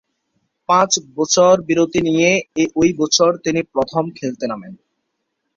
পাঁচ বছর বিরতি নিয়ে ঐ বছর তিনি প্রথম খেলতে নামেন।